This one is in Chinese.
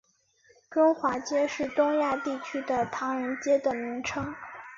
中华街是东亚地区的唐人街的名称。